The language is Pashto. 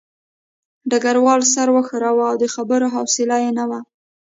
ډګروال سر وښوراوه او د خبرو حوصله یې نه وه